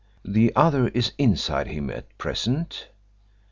"The other is inside him at present."